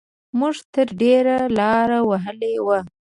موږ تر ډېره لاره وهلې وه.